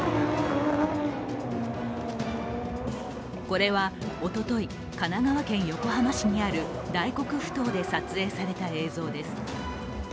これはおととい、神奈川県横浜市にある大黒ふ頭で撮影された映像です。